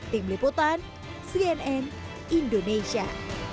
tim liputan cnn indonesia